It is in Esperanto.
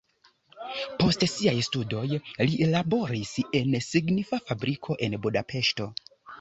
Post siaj studoj li laboris en signifa fabriko en Budapeŝto.